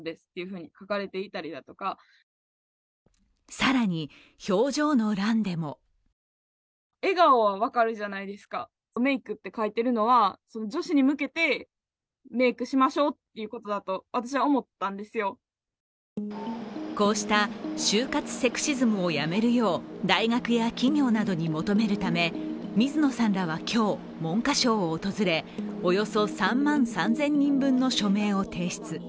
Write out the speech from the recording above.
更に、表情の欄でもこうした就活セクシズムをやめるよう大学や企業などに求めるため水野さんらは今日、文科省を訪れおよそ３万３０００人分の署名を提出。